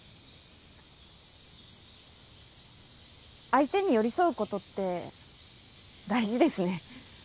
相手に寄り添うことって大事ですね。